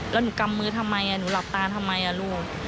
แล้วหนูกำมือทำไมหนูหลับตาทำไมลูก